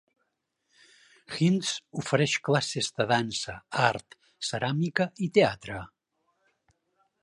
Hinds ofereix classes de dansa, art, ceràmica i teatre.